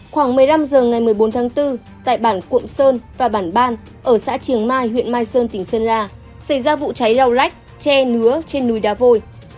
khoảng một mươi năm h ngày một mươi bốn tháng bốn tại bản cuộm sơn và bản ban ở xã triềng mai huyện mai sơn tỉnh sơn la xảy ra vụ cháy lau lách che nứa trên núi đá vôi